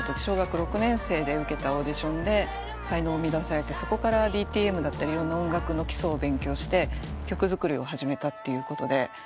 小学６年生で受けたオーディションで才能を見いだされてそこからＤＴＭだったりいろんな音楽の基礎を勉強して曲作りを始めたっていうことで。